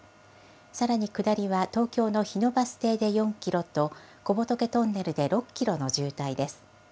さらに下りは東京の日野バス停で４キロと、小仏トンネルで６キロの渋滞です。